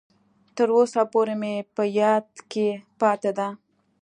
تر اوسه پورې مې په یاد کې پاتې ده.